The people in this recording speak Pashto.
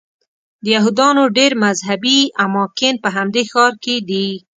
د یهودانو ډېر مذهبي اماکن په همدې ښار کې دي.